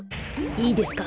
いいですか？